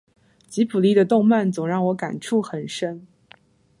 吉卜力的动漫总让我触动很深